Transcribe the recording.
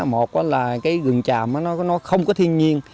một là cái rừng tràm nó không có thiên nhiên